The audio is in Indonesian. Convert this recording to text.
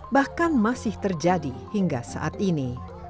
bahkan masih terjadi hingga saat ini